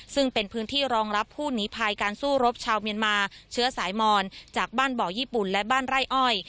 ซึ่งเป็นพื้นที่รองรับผู้หนีภัยการสู้รบชาวเมียนมาเชื้อสายมอนจากบ้านบ่อญี่ปุ่นและบ้านไร่อ้อย